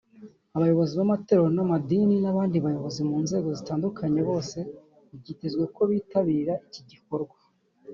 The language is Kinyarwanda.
abayobozi b’amatorero n’amadini n’abandi bayobozi mu nzego zitandukanye bose byitezwe ko bitabira iki gikorwa